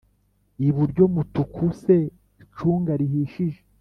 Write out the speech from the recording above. iburyo mutuku se icunga rihishije